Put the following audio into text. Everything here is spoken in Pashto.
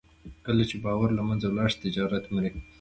کله چې باور له منځه ولاړ شي، تجارت مري.